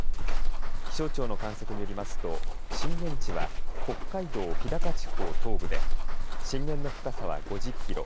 気象庁の観測によりますと震源地は北海道日高地方東部で震源の深さは５０キロ。